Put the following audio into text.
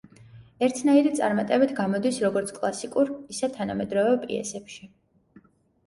ერთნაირი წარმატებით გამოდის როგორც კლასიკურ, ისე თანამედროვე პიესებში.